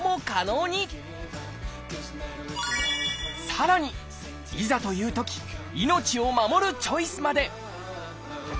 さらにいざというとき命を守るチョイスまで！